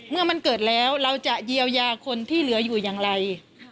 เมื่อมันเกิดแล้วเราจะเยียวยาคนที่เหลืออยู่อย่างไร